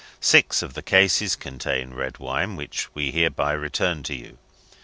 Six of the cases contain red wine which we hereby return to you.